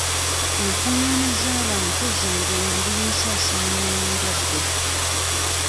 Enkungaana z'abantu zandiyanguya ensaasaana y'endwadde.